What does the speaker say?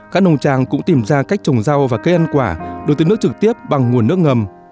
các nông trang cũng tìm ra cách trồng rau và cây ăn quả được tưới nước trực tiếp bằng nguồn nước ngầm